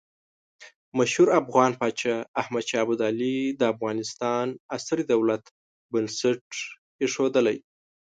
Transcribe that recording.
مشهور افغان پاچا احمد شاه ابدالي د افغانستان عصري دولت بنسټ ایښودلی.